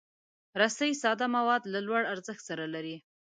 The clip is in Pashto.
رسۍ ساده مواد له لوړ ارزښت سره لري.